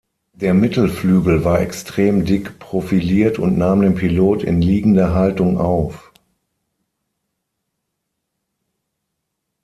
Der Mittelflügel war extrem dick profiliert und nahm den Pilot in liegender Haltung auf.